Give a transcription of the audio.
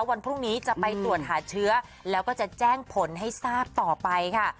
วันพรุ่งนี้จะไปตรวจหาเชื้อแล้วก็จะแจ้งผลให้ทราบต่อไปค่ะ